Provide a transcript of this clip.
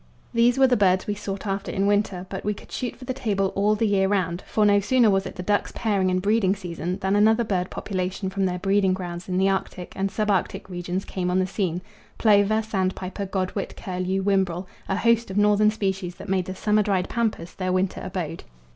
These were the birds we sought after in winter; but we could shoot for the table all the year round, for no sooner was it the duck's pairing and breeding season than another bird population from their breeding grounds in the arctic and sub arctic regions came on the scene plover, sandpiper, godwit, curlew, whimbrel, a host of northern species that made the summer dried pampas their winter abode.